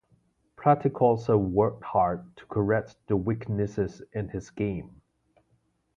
Pletikosa worked hard to correct the weaknesses in his game.